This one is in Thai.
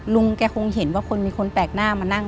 ลุงแกคงเห็นว่าคนมีคนแปลกหน้ามานั่ง